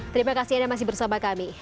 terima kasih anda masih bersama kami